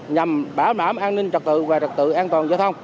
nhằm bảo đảm an ninh trật tự và trật tự an toàn giao thông